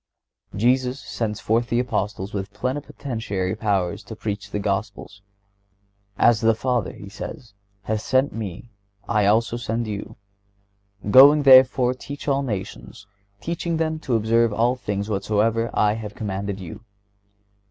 (116) Jesus sends forth the Apostles with plenipotentiary powers to preach the Gospel. "As the Father," He says, "hath sent Me, I also send you."(117) "Going therefore, teach all nations, teaching them to observe all things whatsoever I have commanded you."